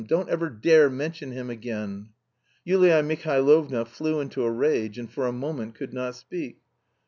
Don't ever dare mention him again!" Yulia Mihailovna flew into a rage, and for a moment could not speak.